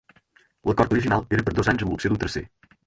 L'acord original era per dos anys amb l'opció d'un tercer.